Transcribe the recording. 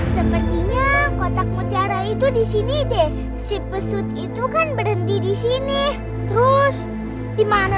sepertinya kotak mutiara itu di sini deh si pesut itu kan berhenti di sini terus gimana